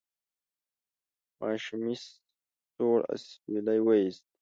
ماشومې سوړ اسویلی وایست: